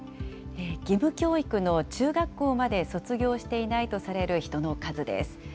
義務教育の中学校まで卒業していないとされる人の数です。